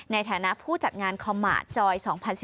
ในฐานะผู้จัดงานคอมมาตจอย๒๐๑๙